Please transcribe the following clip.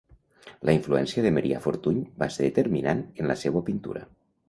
La influència de Marià Fortuny va ser determinant en la seua pintura.